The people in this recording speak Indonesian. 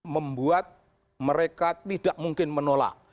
membuat mereka tidak mungkin menolak